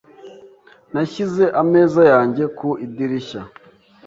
Nashyize ameza yanjye ku idirishya .